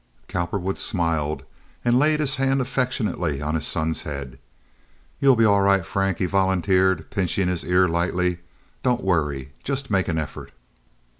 Cowperwood smiled, and laid his hand affectionately on his son's head. "You'll be all right, Frank," he volunteered, pinching his ear lightly. "Don't worry—just make an effort."